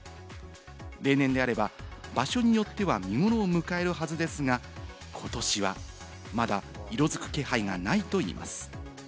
例年であれば場所によっては見頃を迎えるはずですが、ことしはまだ色づく気配はないといいます。